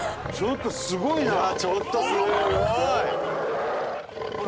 ちょっとすごいな。